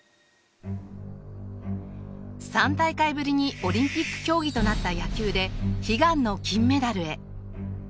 ３大会ぶりにオリンピック競技となった野球で悲願の金メダルへ。